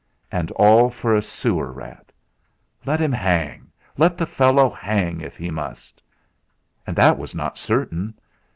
And all for a sewer rat! Let him hang, let the fellow hang if he must! And that was not certain.